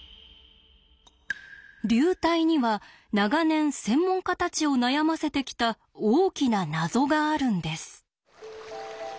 流体には長年専門家たちを悩ませてきた大きな謎があるんです。